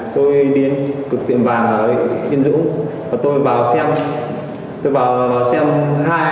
tôi đến cực tiệm vàng ở yên dũng và tôi bảo xem tôi bảo xem hai